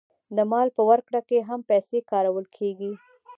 د مال په ورکړه کې هم پیسې کارول کېږي